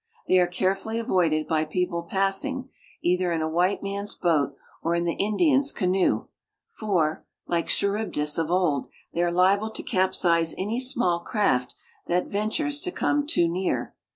They are carefull}' avoided by people i)assing, either in a white man's boat or in the Indians' canoe, for, like Charybdis of old, they are liable to ca[)size any small craft that ventures to come too near.